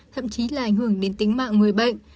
thậm chí là ảnh hưởng đến tính mạng người bệnh